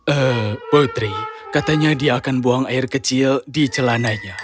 eh putri katanya dia akan buang air kecil di celananya